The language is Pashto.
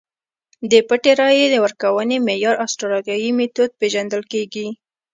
د پټې رایې ورکونې معیار اسټرالیايي میتود پېژندل کېږي.